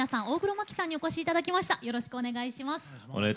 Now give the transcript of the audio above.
大黒摩季さんにお越しいただきました。